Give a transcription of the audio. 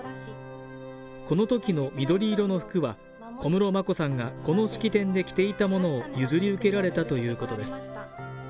このときの緑色の服は小室眞子さんがこの式典で着ていたものを譲り受けられたということです。